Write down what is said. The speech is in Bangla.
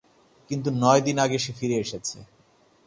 কিন্তু নয় দিন আগে সে ফিরে এসেছে।